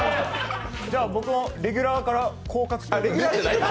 じゃあ、僕もレギュラーから降格ですか？